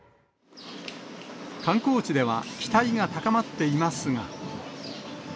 観光地では期待が高まっていますが。